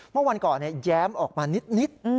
เมื่อวันก่อนแย้มออกมานิด